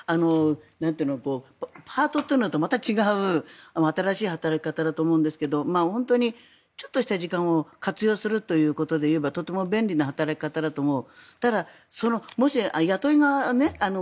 パートというのとはまた違う新しい働き方だと思いますが本当に、ちょっとした時間を活用するということで言えばとても便利な働き方だと思う。